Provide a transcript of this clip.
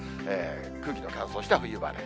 空気の乾燥した冬晴れ。